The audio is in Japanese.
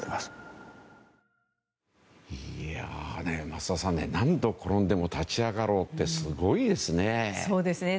増田さん何度転んでも立ち上がろうってすごいですね。